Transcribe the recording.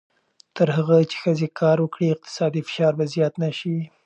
تر هغه چې ښځې کار وکړي، اقتصادي فشار به زیات نه شي.